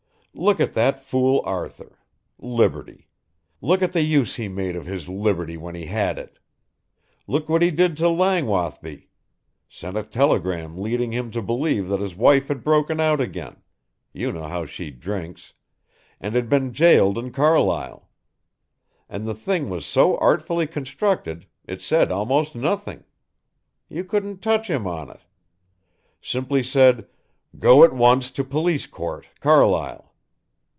Look at that fool Arthur, liberty! Look at the use he made of his liberty when he had it. Look what he did to Langwathby: sent a telegram leading him to believe that his wife had broken out again you know how she drinks and had been gaoled in Carlisle. And the thing was so artfully constructed, it said almost nothing. You couldn't touch him on it. Simply said, 'Go at once to police court Carlisle.'